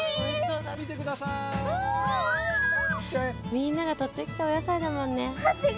みんながとってきたおやさいだもんね。